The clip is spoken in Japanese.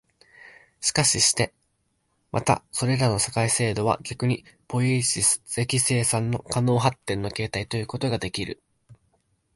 しかしてまたそれらの社会制度は逆にポイエシス的生産の可能発展の形態ということができる、